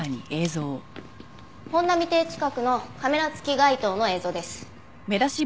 本並邸近くのカメラ付き街灯の映像です。